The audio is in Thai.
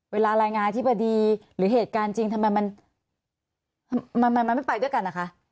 เวลารายงานอธิบดีหรือเหตุการณ์จริงทำไมมันไม่ไปด้วยกันนะคะ